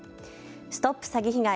ＳＴＯＰ詐欺被害！